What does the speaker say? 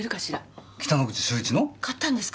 買ったんですか？